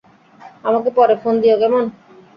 আমাকে পরে ফোন দিও, কেমন?